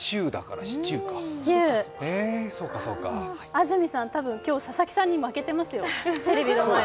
安住さん、多分今日、佐々木さんに負けてますよ。